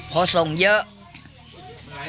ก็จะได้